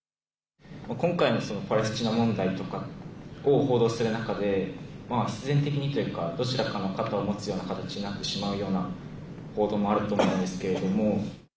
今回のパレスチナ問題とかを報道する中で必然的にというかどちらかの肩を持つような形になってしまうような報道もあると思うんですけれども。